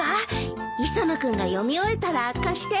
磯野君が読み終えたら貸して。